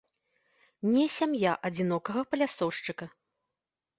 Не сям'я адзінокага палясоўшчыка.